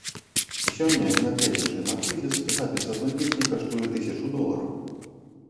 Сёння, нягледзячы на крызіс, запіс адной песні каштуе тысячу долараў.